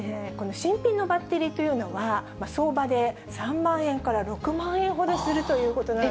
新品のバッテリーというのは、相場で３万円から６万円ほどするということなので。